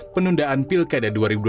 penundaan pilkada dua ribu dua puluh